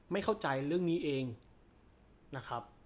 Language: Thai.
ไม่เข้าใจเรื่องนี้เองนะครับ